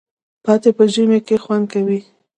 پاتې په ژمي کی خوندکوی